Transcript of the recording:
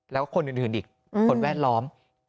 แล้วคนอื่นอีกคนแวดล้อม